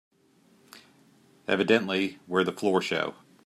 Evidently we're the floor show.